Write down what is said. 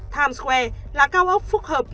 times square là cao ốc phúc hợp